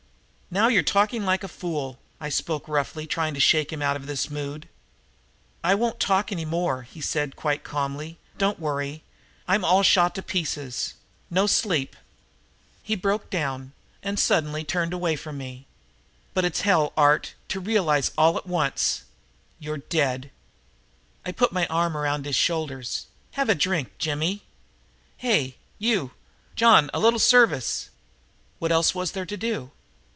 "Now you're talking like a fool!" I spoke roughly, trying to shake him out of this mood. "I won't talk any more," he said quite calmly. "Don't worry. I'm all shot to pieces no sleep." He broke down suddenly and turned away from me. "But it's hell, Art, to realize all at once you're dead!" I put my arm around his shoulders. "Have a drink, Jimmy. Hey you, John, a little service!" What else was there to do?